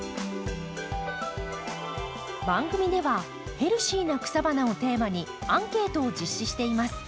番組では「ヘルシーな草花」をテーマにアンケートを実施しています。